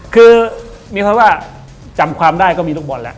คือมีความว่าจำความได้ก็มีลูกบอลแล้ว